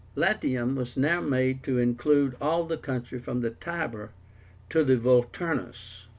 LATIUM was now made to include all the country from the Tiber to the Volturnus.